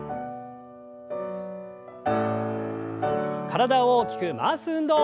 体を大きく回す運動。